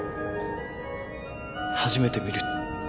初めて見る人間？